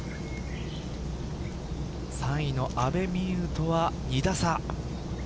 ３位の阿部未悠とは２打差。